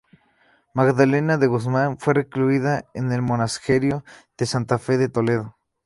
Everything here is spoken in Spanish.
Magdalena de Guzmán fue recluida en el monasterio de Santa Fe de Toledo.